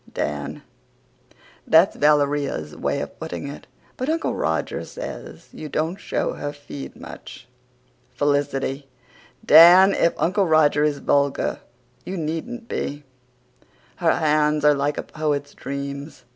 (DAN: "That's Valeria's way of putting it, but Uncle Roger says she don't show her feed much." FELICITY: "Dan! if Uncle Roger is vulgar you needn't be!") Her hands are like a poet's dreams.